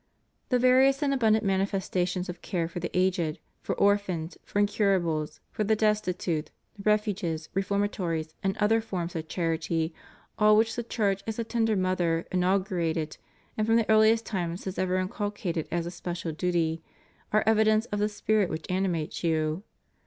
The various and abundant manifestations of care for the aged, for orphans, for incurables, for the destitute, the refuges, reformatories, and other forms of charity, all which the Church as a tender mother inaugu rated and from the earliest times has ever inculcated as a special duty, are evidences of the spirit which animates you.